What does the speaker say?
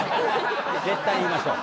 絶対言いましょう。